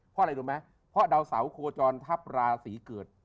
เพราะอะไรรู้ไหมเพราะดาวเสาโคจรทัพราศีเกิด